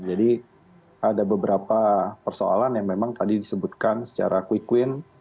jadi ada beberapa persoalan yang memang tadi disebutkan secara quick win